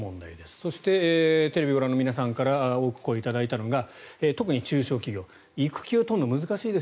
そしてテレビをご覧の皆さんから多く声を頂いたのが特に中小企業育休を取るの難しいです